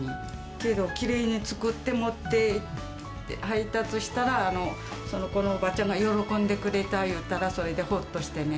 けど、きれいに作って、持って配達したら、そのこのおばあちゃんが喜んでくれたいうたら、それでほっとしてね。